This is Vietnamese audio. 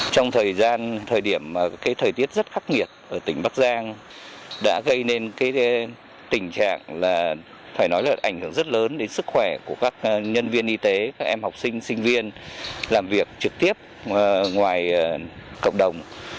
trong thời gian thời tiết rất khắc nghiệt ở tỉnh bắc giang đã gây nên tình trạng ảnh hưởng rất lớn đến sức khỏe của các nhân viên y tế các em học sinh sinh viên làm việc trực tiếp ngoài cộng đồng